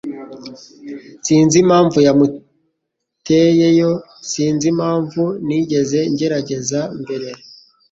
Sinzi impamvu yamuteyeyo. Sinzi impamvu ntigeze ngerageza mbere.